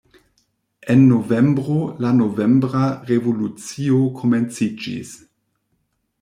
En novembro, la novembra revolucio komenciĝis.